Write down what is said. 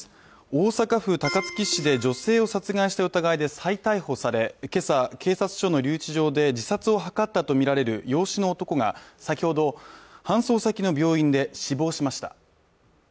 大阪府高槻市で女性を殺害したとして再逮捕され今朝警察署の留置場で自殺を図ったとみられる養子の男が、先ほど搬送先の病院で死亡しました。